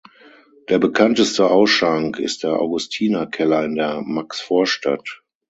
Der bekannteste Ausschank ist der Augustiner-Keller in der Maxvorstadt.